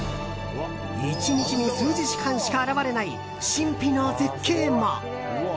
１日に数時間しか現れない神秘の絶景も。